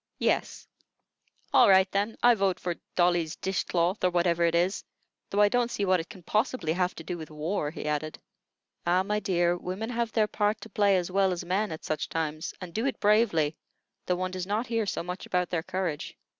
"Yes." "All right, then. I vote for 'Dolly's Dish cloth,' or whatever it is; though I don't see what it can possibly have to do with war," he added. "Ah, my dear, women have their part to play as well as men at such times, and do it bravely, though one does not hear so much about their courage.